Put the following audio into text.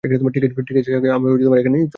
ঠিক আছে, সাক্ষী, আমরা এখনই চলে যাব।